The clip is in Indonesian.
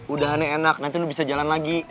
udahannya enak nanti udah bisa jalan lagi